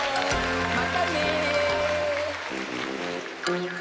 またね。